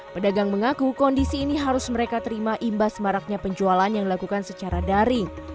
pedagang mengaku kondisi ini harus mereka terima imbas maraknya penjualan yang dilakukan secara daring